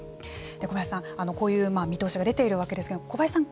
小林さん、こういう見通しが出ているわけですけれども小林さん